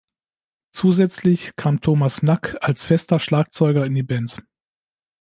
Zusätzlich kam Thomas Nack als fester Schlagzeuger in die Band.